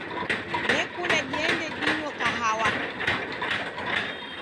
Nakunde diende dinyo kahawa.